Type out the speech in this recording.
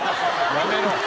やめろ。